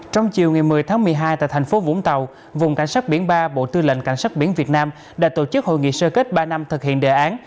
trong chiều ngày một mươi tháng một mươi hai tại thành phố vũng tàu vùng cảnh sát biển ba bộ tư lệnh cảnh sát biển việt nam đã tổ chức hội nghị sơ kết ba năm thực hiện đề án